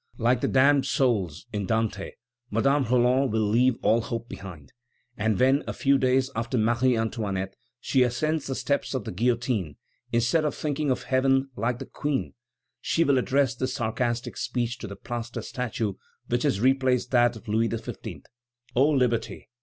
Like the damned souls in Dante, Madame Roland will leave all hope behind, and when, a few days after Marie Antoinette, she ascends the steps of the guillotine, instead of thinking of heaven, like the Queen, she will address this sarcastic speech to the plaster statue which has replaced that of Louis XV.: "O Liberty!